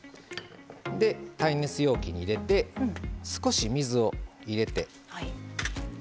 耐熱容器に入れて少し水を入れて。